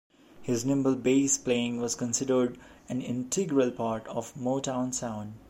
His nimble bass playing was considered an integral part of the "Motown Sound".